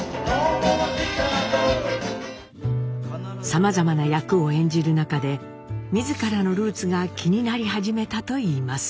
さまざまな役を演じる中で自らのルーツが気になり始めたと言います。